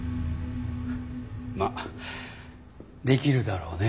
まあできるだろうねえ。